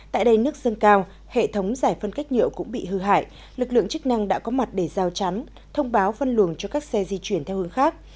tại đây nước dâng cao hệ thống giải phân cách nhựa cũng bị hư hại lực lượng chức năng đã có mặt để giao chắn thông báo phân luồng cho các xe di chuyển theo hướng khác